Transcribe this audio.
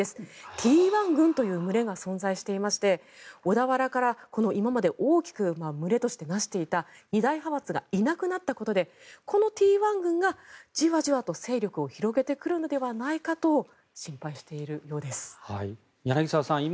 Ｔ１群という群れが存在していまして小田原から今まで大きく群れを成してい二大派閥がいなくなったことでこのＴ１群がじわじわと勢力を広げてくるのではないかと柳澤さん